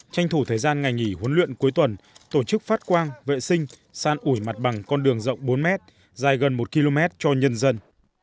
tranh thủ thời gian ngày nghỉ huấn luyện cuối tuần tổ chức phát quang vệ sinh san ủi mặt bằng con đường rộng bốn mét dài gần một km cho nhân dân